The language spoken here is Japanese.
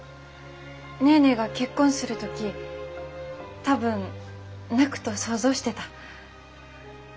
ネーネーが結婚する時多分泣くと想像してた。